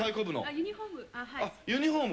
ユニホーム。